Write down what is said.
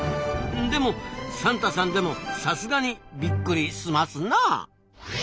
でもサンタさんでもさすがにビックリすますな。